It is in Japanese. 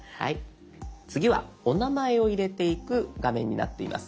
次はお名前を入れていく画面になっています。